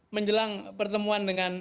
menjelang pertemuan dengan